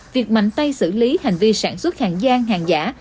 việc mạnh tay xử lý hành vi sản xuất hàng giang hàng giả